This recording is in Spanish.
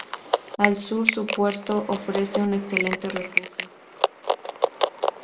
Al sur, su puerto ofrece un excelente refugio.